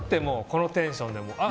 このテンションで。